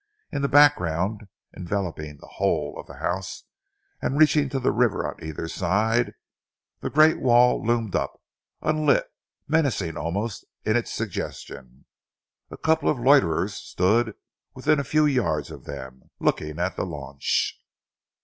In the background, enveloping the whole of the house and reaching to the river on either side, the great wall loomed up, unlit, menacing almost in its suggestions. A couple of loiterers stood within a few yards of them, looking at the launch.